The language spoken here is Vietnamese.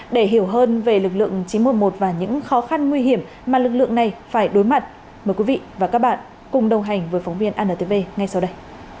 để hiểu hơn về lực lượng chín trăm một mươi một và những khó khăn nguy hiểm mà lực lượng này phải đối mặt mời quý vị và các bạn cùng đồng hành với phóng viên antv ngay sau đây